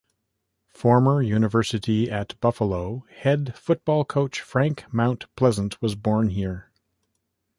Former University at Buffalo head football coach Frank Mount Pleasant was born here.